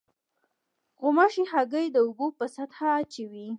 غوماشې هګۍ د اوبو په سطحه اچوي.